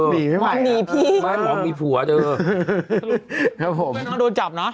หนีไม่ไหวหรอกหมอหนีพี่ป่าวนี่มะโดนจับนะ